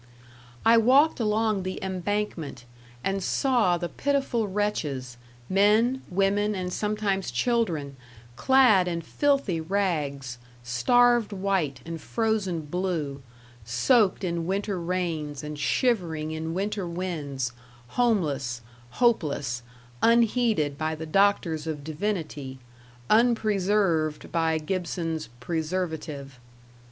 I walked along the Embankment and saw the pitiful wretches, men, women and sometimes children, clad in filthy rags, starved white and frozen blue, soaked in winter rains and shivering in winter winds, homeless, hopeless, unheeded by the doctors of divinity, unpreserved by Gibson's "Preservative".